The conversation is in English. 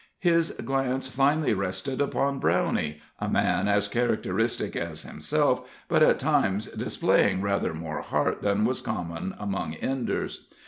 His glance finally rested upon Brownie, a man as characteristic as himself, but at times displaying rather more heart than was common among Enders.